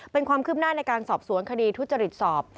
เป็นความคืบหน้าในการสอบสวนคดีทุจริตสอบ